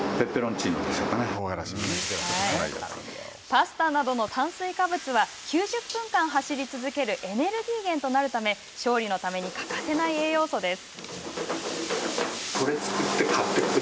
パスタなどの炭水化物は９０分間走り続けるエネルギー源となるため勝利のために欠かせない栄養素です。